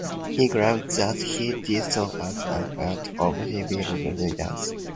He claimed that he did so as an act of civil disobedience.